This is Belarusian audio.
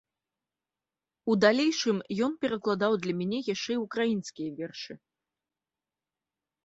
У далейшым ён перакладаў для мяне яшчэ і ўкраінскія вершы.